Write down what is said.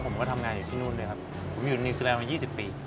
ผมก็ทำงานอยู่ที่นู่นด้วยครับผมอยู่ในนิวซีแลนด์มายี่สิบปี